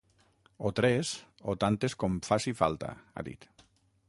O tres, o tantes com faci falta, ha dit.